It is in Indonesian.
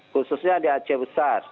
khususnya di aceh besar